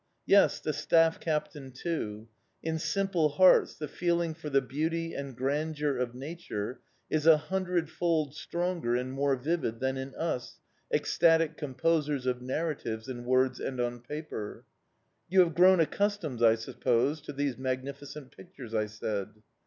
Yes, the staff captain too; in simple hearts the feeling for the beauty and grandeur of nature is a hundred fold stronger and more vivid than in us, ecstatic composers of narratives in words and on paper. "You have grown accustomed, I suppose, to these magnificent pictures!" I said.